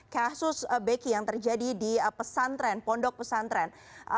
kasus beki yang terjadi di pesantren pondok pesantren